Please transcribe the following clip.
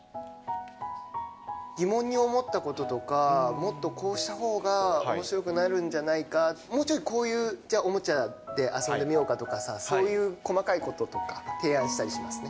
疑問に思ったこととか、もっとこうしたほうがおもしろくなるんじゃないか、もうちょい、こういうおもちゃで遊んでみようかとかさ、そういう細かいこととか提案したりしますね。